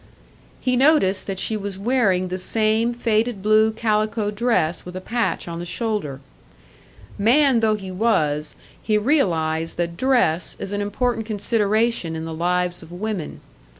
He noticed that she was wearing the same faded blue calico dress with a patch on the shoulder. Man though he was, he realised that dress is an important consideration in the lives of women.